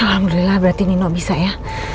alhamdulillah berarti nino bisa ya